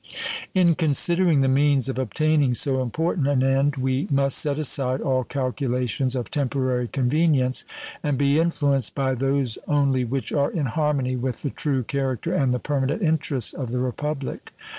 In considering the means of obtaining so important an end we must set aside all calculations of temporary convenience, and be influenced by those only which are in harmony with the true character and the permanent interests of the Republic.